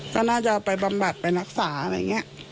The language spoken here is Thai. ก็น่าจะเอาไปบำบัดไปนักสาอะไรอย่างเงี้ย